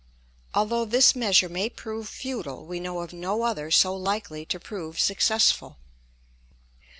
Although this measure may prove futile, we know of no other so likely to prove successful.